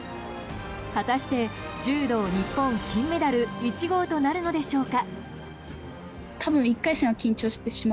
果たして、柔道日本金メダル１号となるのでしょうか。